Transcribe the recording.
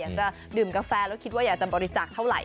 อยากจะดื่มกาแฟแล้วผมลองหรืออยากจะบริศาจเท่าไหร่